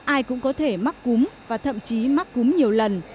ai cũng có thể mắc cúm và thậm chí mắc cúm nhiều lần